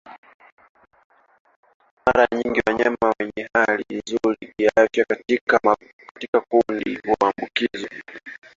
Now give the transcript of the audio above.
Mara nyingi wanyama wenye hali nzuri kiafya katika kundi huambukizwa